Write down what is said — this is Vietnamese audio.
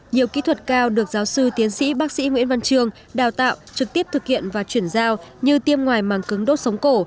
nhiều kỹ thuật cao được giáo sư tiến sĩ bác sĩ nguyễn văn trường đào tạo trực tiếp thực hiện và chuyển giao như tiêm ngoài màng cứng đốt sống cổ